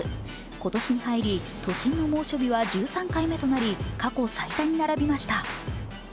今年に入り、都心の猛暑日は１３回目となり過去最多に並びました。